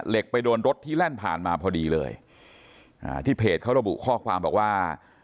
ไปโดนรถที่แล่นผ่านมาพอดีเลยอ่าที่เพจเขาระบุข้อความบอกว่า